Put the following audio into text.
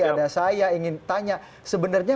ada saya ingin tanya sebenarnya